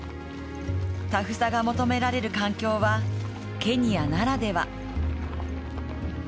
タフさが求められる環境はケニアならでは。